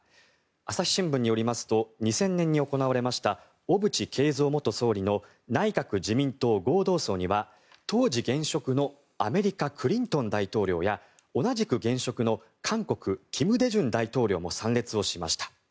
朝日新聞によりますと２０００年に行われました小渕恵三元総理の内閣・自民党合同葬には当時現職のアメリカ、クリントン大統領や同じく現職の韓国金大中大統領も参列をしました。